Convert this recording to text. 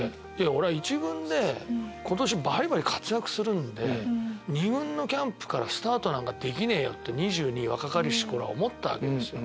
俺は１軍で今年バリバリ活躍するんで２軍のキャンプからスタートなんかできねえよって２２若かりし頃は思ったわけですよ。